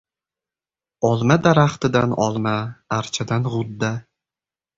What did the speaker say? • Olma daraxtidan olma, archadan g‘udda.